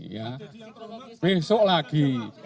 ya besok lagi